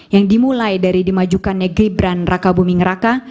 yang dimulai dari dimajukannya gibran raka buming raka